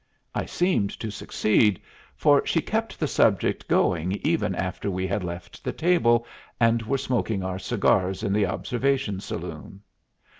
I seemed to succeed, for she kept the subject going even after we had left the table and were smoking our cigars in the observation saloon.